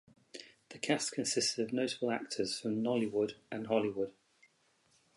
The cast consisted of notable actors from Nollywood and Hollywood.